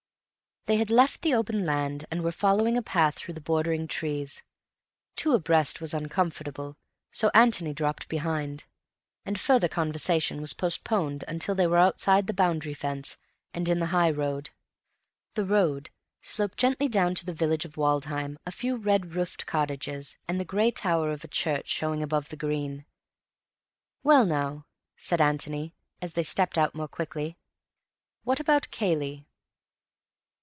They had left the open land and were following a path through the bordering trees. Two abreast was uncomfortable, so Antony dropped behind, and further conversation was postponed until they were outside the boundary fence and in the high road. The road sloped gently down to the village of Woodham—a few red roofed cottages, and the grey tower of a church showing above the green. "Well, now," said Antony, as they stepped out more quickly, "what about Cayley?"